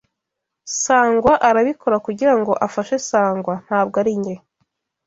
Sangwa arabikora kugirango afashe Sangwa, ntabwo ari njye.